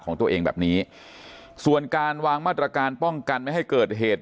ของตัวเองแบบนี้ส่วนการวางมาตรการป้องกันไม่ให้เกิดเหตุ